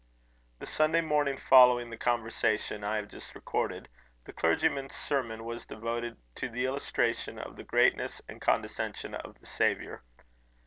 The Sunday morning following the conversation I have just recorded, the clergyman's sermon was devoted to the illustration of the greatness and condescension of the Saviour.